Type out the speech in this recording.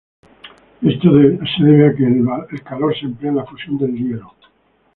Esto se debe a que el calor se emplea en la fusión del hielo.